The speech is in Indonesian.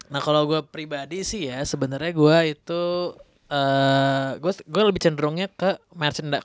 nah kalo gue pribadi sih ya sebenernya gue itu gue lebih cenderungnya ke merchandise